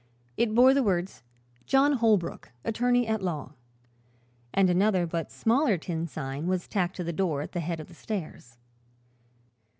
It bore the words: "JOHN HOLBROOK, Attorney at Law," and another but smaller tin sign was tacked to the door at the head of the stairs.